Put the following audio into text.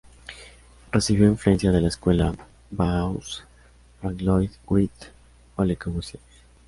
Recibió influencia de la Escuela Bauhaus, Frank Lloyd Wright o Le Corbusier.